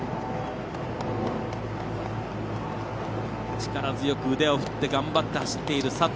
力強く腕を振って走っている佐藤。